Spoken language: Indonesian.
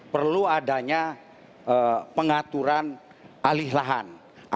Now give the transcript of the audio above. perlu adanya pengaturan alih lahan